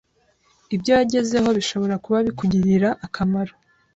ibyo yagezeho bishobora kuba bikugirira akamaro